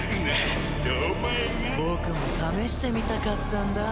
僕も試してみたかったんだ。